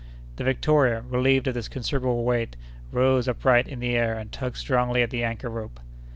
The Victoria, relieved of this considerable weight, rose upright in the air and tugged strongly at the anchor rope.